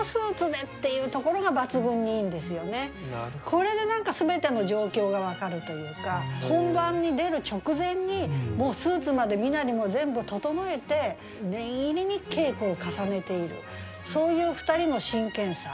これで何か全ての状況が分かるというか本番に出る直前にもうスーツまで身なりも全部整えて念入りに稽古を重ねているそういう２人の真剣さ。